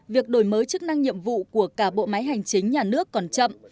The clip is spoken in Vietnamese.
việc đổi mới chức năng nhiệm vụ của cả bộ máy hành chính nhà nước còn chậm